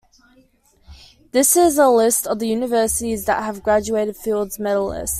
This is a list of the universities that have graduated Fields medalists.